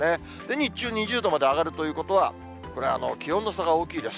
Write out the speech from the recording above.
日中２０度まで上がるということは、これは気温の差が大きいです。